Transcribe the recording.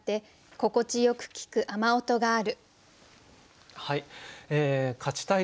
「心地よく聞く雨音がある」